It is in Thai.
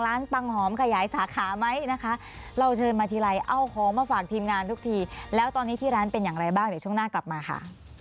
ปังหอมขยายสาขาไหมนะคะเราเชิญมาทีไรเอาของมาฝากทีมงานทุกทีแล้วตอนนี้ที่ร้านเป็นอย่างไรบ้างเดี๋ยวช่วงหน้ากลับมาค่ะ